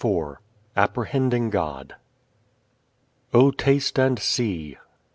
_ IV Apprehending God O taste and see. Psa.